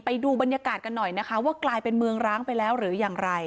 ไปดูบรรยากาศกันหน่อยนะคะว่ากลายเป็นเมืองร้างไปแล้วหรืออย่างไร